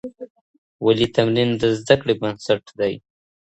ولي تمرین د زده کړي بنسټ دی؟